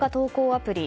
アプリ